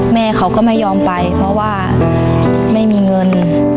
แม่เขาก็ไม่ยอมไปเพราะว่าไม่มีเงิน